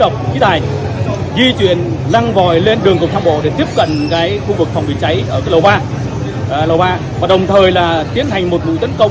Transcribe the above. họ đề tàilaughs cho cán bộ chiến sĩ đàn bình khí độc và khí tài để tiếp cận phòng cháy ở lầu ba ethical bay đồng hành để đưa từ nina cho nó mạnh cho con